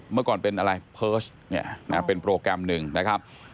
เมื่อก่อนเป็นเพิร์ชเป็นโปรแกรมอีกนะครับ